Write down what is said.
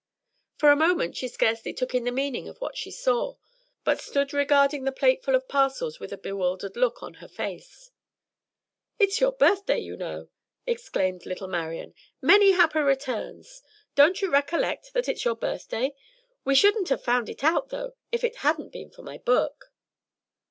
For a moment she scarcely took in the meaning of what she saw, but stood regarding the plate ful of parcels with a bewildered look on her face. "It's your birthday, you know," exclaimed little Marian. "Many happy returns! Don't you recollect that it's your birthday? We shouldn't have found it out, though, if it hadn't been for my book."